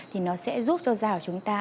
thì nó sẽ giúp cho da của chúng ta